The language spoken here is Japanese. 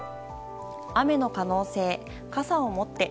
雨の可能性、傘を持って。